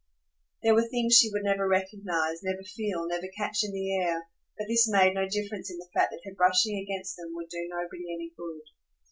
There were things she would never recognise, never feel, never catch in the air; but this made no difference in the fact that her brushing against them would do nobody any good.